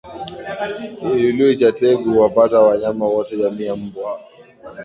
Kiluilui cha tegu huwapata wanyama wote jamii ya mbwa